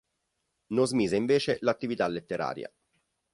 Non smise invece l'attività letteraria.